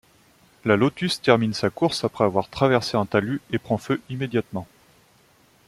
La Lotus termine sa course après avoir traversé un talus et prend feu immédiatement.